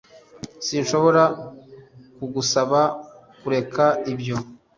Sinshobora kugusaba kureka ibyo